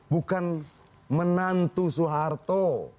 bukan menantu soeharto